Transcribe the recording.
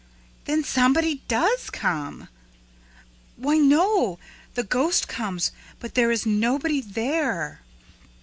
"Then somebody does come?" "Why, no! The ghost comes, but there is nobody there."